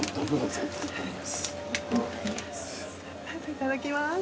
いただきます。